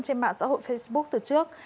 trên mạng xã hội facebook từ trước